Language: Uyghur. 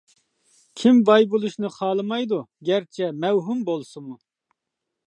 كىم باي بولۇشنى خالىمايدۇ، گەرچە مەۋھۇم بولسىمۇ.